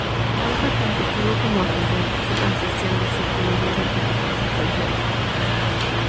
Trabaja tanto sólo como asociándose con otros arquitectos extranjeros.